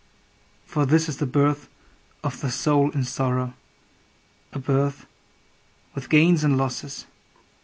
For this is the birth of the soul in sorrow, A birth with gains and losses.